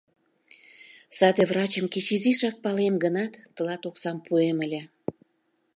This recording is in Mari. — Саде врачым кеч изишак палем гынат, тылат оксам пуэм ыле.